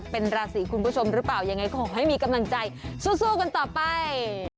เป็นราศีคุณผู้ชมหรือเปล่ายังไงก็ขอให้มีกำลังใจสู้กันต่อไป